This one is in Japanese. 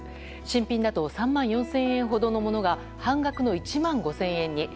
新品だと３万４０００円ほどのものが半額の１万５０００円に。